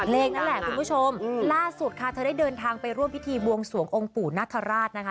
นั่นแหละคุณผู้ชมล่าสุดค่ะเธอได้เดินทางไปร่วมพิธีบวงสวงองค์ปู่นคราชนะคะ